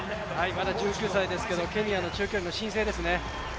まだ１９歳ですけどケニアの長距離の新星ですね。